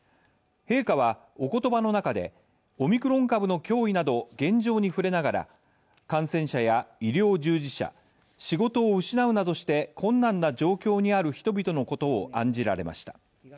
陛下はおことばの中で、オミクロン株の脅威など現状に触れながら感染者や医療従事者、仕事を失うなどして困難な状況にある人々のことを案じられました。